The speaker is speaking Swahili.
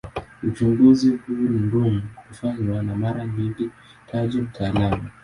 Uchunguzi huu ni mgumu kufanywa na mara nyingi huhitaji mtaalamu.